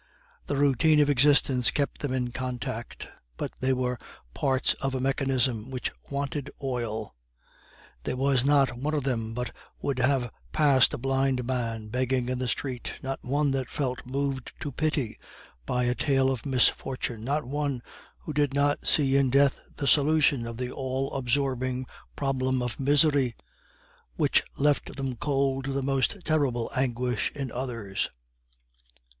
The routine of existence kept them in contact, but they were parts of a mechanism which wanted oil. There was not one of them but would have passed a blind man begging in the street, not one that felt moved to pity by a tale of misfortune, not one who did not see in death the solution of the all absorbing problem of misery which left them cold to the most terrible anguish in others.